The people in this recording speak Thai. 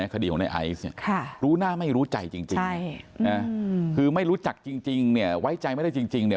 คดีของนายไอซ์รู้หน้าไม่รู้ใจจริงคือไม่รู้จักจริงไว้ใจไม่ได้จริง